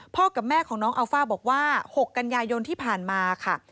กับแม่ของน้องอัลฟ่าบอกว่า๖กันยายนที่ผ่านมาค่ะ